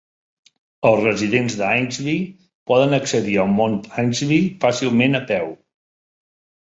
Els residents d'Ainslie poden accedir al Mount Ainslie fàcilment a peu.